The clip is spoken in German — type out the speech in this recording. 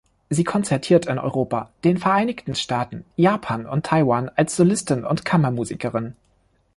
Sie konzertiert in Europa, den Vereinigten Staaten, Japan und Taiwan als Solistin und Kammermusikerin.